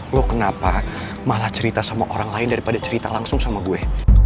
lo kenapa malah cerita sama orang lain daripada cerita langsung sama gue